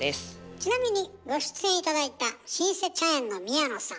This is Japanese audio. ちなみにご出演頂いた老舗茶園の宮野さん。